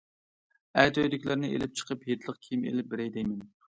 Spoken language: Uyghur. ئەتە ئۆيدىكىلەرنى ئېلىپ چىقىپ ھېيتلىق كىيىم ئېلىپ بېرەي دەيمەن.